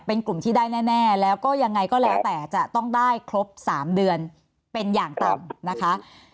เป็นกลุ่มที่ได้แน่แล้วก็ยังไงก็แล้วแต่จะต้องได้ครบ๓เดือนเป็นอย่างต่ำนะคะ